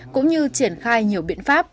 cũng như triển khai nhiều biện pháp